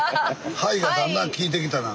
「はい」がだんだんきいてきたな。